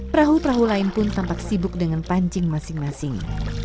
perahu perahu lain pun tampak sibuk dengan pancing masing masing